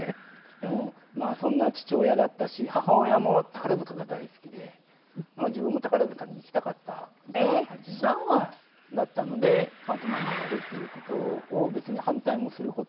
でもまあそんな父親だったし母親も宝塚が大好きで自分も宝塚に行きたかったみたいな感じだったのでパントマイムをやるっていう事を別に反対もする事もなく。